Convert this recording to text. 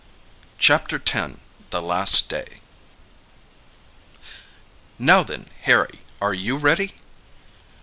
CHAPTER X. THE LAST DAY "Now then, Harry, are you ready?"